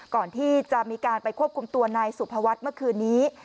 ก่อนที่จะมีการไปควบคุมตัวนายสุภวัฒน์เมื่อคืนนี้